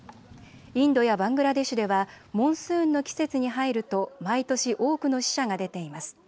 インドやバングラデシュではモンスーンの季節に入ると毎年多くの死者が出ています。